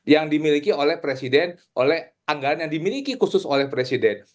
yang dimiliki oleh presiden oleh anggaran yang dimiliki khusus oleh presiden